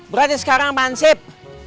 berarti sekarang mansip